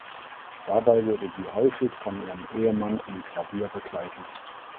Dabei wurde sie häufig von ihrem Ehemann am Klavier begleitet.